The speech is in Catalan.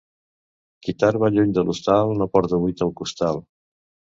Qui tard va lluny de l'hostal no porta buit el costal.